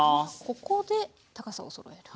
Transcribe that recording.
ここで高さをそろえる。